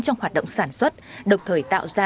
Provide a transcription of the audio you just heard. trong hoạt động sản xuất đồng thời tạo ra